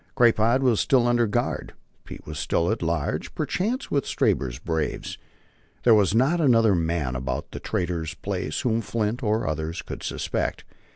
Crapaud was still under guard. Pete was still at large, perchance, with Stabber's braves. There was not another man about the trader's place whom Flint or others could suspect.